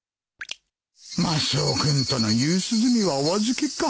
マスオ君との夕涼みはお預けか